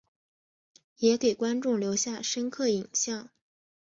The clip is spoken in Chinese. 也给观众留下深刻影象。